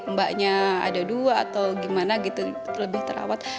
mbaknya ada dua atau gimana gitu lebih terawat